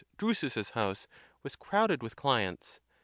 Drusus's house was crowded 'with clients.